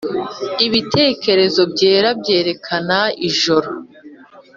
ibitekerezo byera byerekana ijoro.